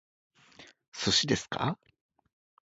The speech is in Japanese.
寿司ですか？